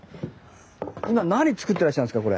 今何作ってらっしゃるんですか？